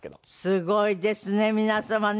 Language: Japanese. すごいですね皆様ね。